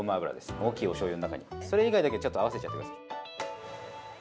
大きいおしょうゆを中に、それ以外だけ、合わせちゃってください。